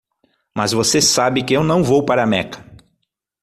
Mas você sabe que eu não vou para Meca.